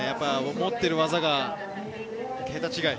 持っている技がけた違い。